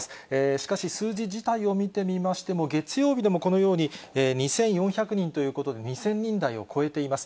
しかし、数字自体を見てみましても、月曜日でもこのように、２４００人ということで、２０００人台を超えています。